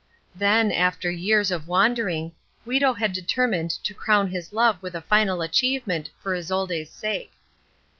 Then, after years of wandering, Guido had determined to crown his love with a final achievement for Isolde's sake.